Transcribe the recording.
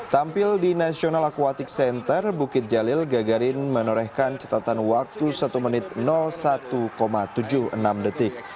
tampil di national aquatic center bukit jalil gagarin menorehkan catatan waktu satu menit satu tujuh puluh enam detik